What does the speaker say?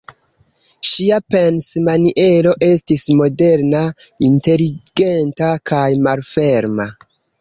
Ŝia pensmaniero estis moderna, inteligenta kaj malferma.